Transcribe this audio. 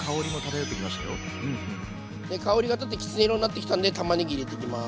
香りが立ってきつね色になってきたんでたまねぎ入れていきます。